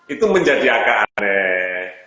itu menjadi agak aneh